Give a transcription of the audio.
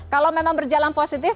kalau memang berjalan positif